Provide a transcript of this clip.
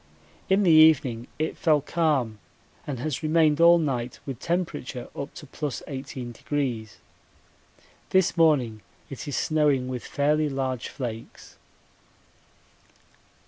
In the evening it fell calm and has remained all night with temperature up to + 18°. This morning it is snowing with fairly large flakes.